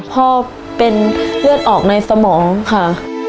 พ่อเป็นเลือดออกในสมองค่ะ